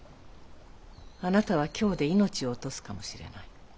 あなたは京で命を落とすかもしれない。